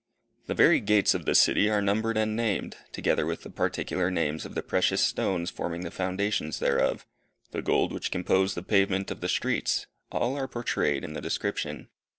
The very gates of the city are numbered and named, together with the particular names of the precious stones forming the foundations thereof; the gold which composed the pavement of the streets all are portrayed in the description.